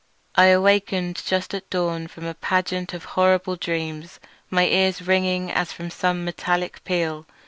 I awaked just at dawn from a pageant of horrible dreams, my ears ringing as from some metallic peal.